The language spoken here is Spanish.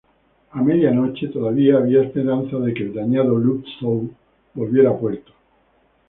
A media noche todavía había esperanzas de que el dañado "Lützow" volviera a puerto.